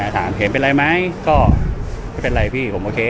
ถามเห็นเป็นอะไรไหมก็ไม่เป็นไรพี่ผมโอเค